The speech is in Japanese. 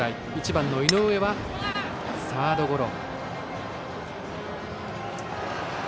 １番の井上はサードゴロ。